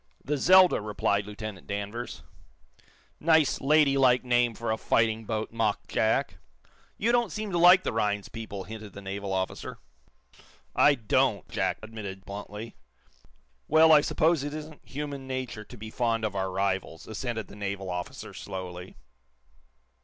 "The 'Zelda'," replied Lieutenant Danvers. "Nice, lady like name for a fighting boat," mocked Jack. "You don't seem to like the Rhinds people," hinted the naval officer. "I don't," Jack admitted, bluntly. "Well, I suppose it isn't human nature to be fond of our rivals," assented the naval officer, slowly.